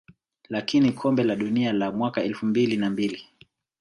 lakini kombe la dunia la mwaka elfu mbili na mbili